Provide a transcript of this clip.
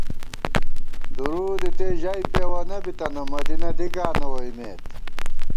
دُرود اِتے ژَئی پېوَنہ بِتنہ ، مدینہ دِکاں نہ ووئیمېت